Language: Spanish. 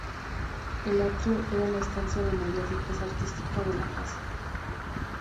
El atrio era la estancia de mayor riqueza artística de la casa.